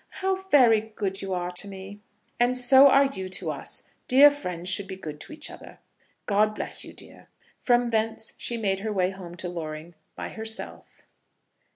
"How very good you are to me!" "And so are you to us. Dear friends should be good to each other. God bless you, dear." From thence she made her way home to Loring by herself.